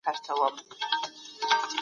سیاست ولې یو علم نه ګڼل کیږي؟